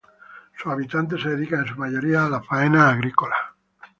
Sus habitantes se dedican en su mayoría a las faenas agrícolas.